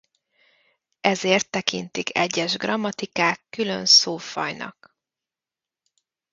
Ezért tekintik egyes grammatikák külön szófajnak.